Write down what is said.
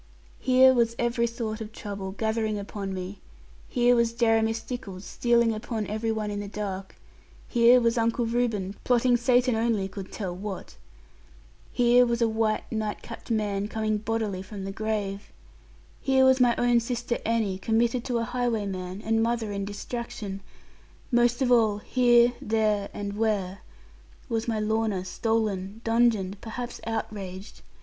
Here was every sort of trouble gathering upon me, here was Jeremy Stickles stealing upon every one in the dark; here was Uncle Reuben plotting Satan only could tell what; here was a white night capped man coming bodily from the grave; here was my own sister Annie committed to a highwayman, and mother in distraction; most of all here, there, and where was my Lorna stolen, dungeoned, perhaps outraged.